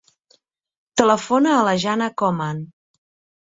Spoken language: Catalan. Telefona a la Jana Coman.